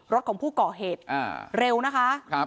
รถของผู้ก่อเหตุเร็วนะคะ